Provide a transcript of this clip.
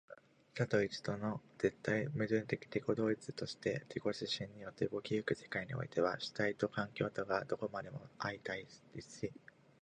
多と一との絶対矛盾的自己同一として自己自身によって動き行く世界においては、主体と環境とがどこまでも相対立し、